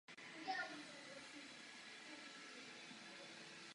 Přesné umístění na dopravních prostředcích závisí na typu nápravy.